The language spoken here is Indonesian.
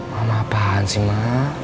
mama apaan sih ma